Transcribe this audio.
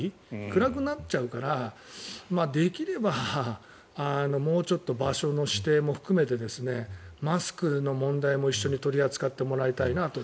暗くなっちゃうからできれば、もうちょっと場所の指定も含めてマスクの問題も一緒に取り扱ってもらいたいなと。